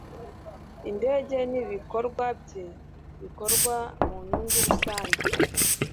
Indege n’ibikorwa bye bikorwa mu nyungu rusange.